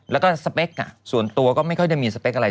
และก็สเปคส่วนตัวก็ไม่ได้มีสเปคอะไร